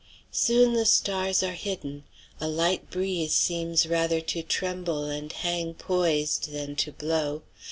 Soon the stars are hidden. A light breeze seems rather to tremble and hang poised than to blow.